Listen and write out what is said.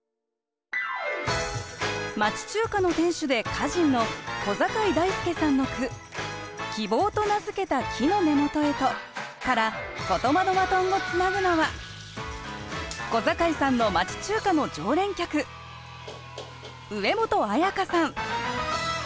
町中華の店主で歌人の小坂井大輔さんの句「『希望』と名付けた木の根本へと」から「ことばのバトン」をつなぐのは小坂井さんの町中華の常連客上本彩加さん